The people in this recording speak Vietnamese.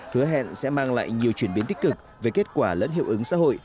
hứa hẹn sẽ mang lại nhiều chuyển biến tích cực về kết quả lẫn hiệu ứng xã hội